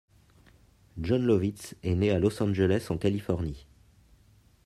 Jon Lovitz est né à Los Angeles en Californie.